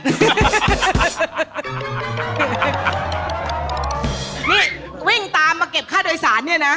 นี่วิ่งตามมาเก็บค่าโดยสารเนี่ยนะ